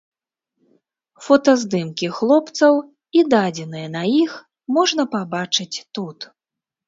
Фотаздымкі хлопцаў і дадзеныя на іх можна пабачыць тут.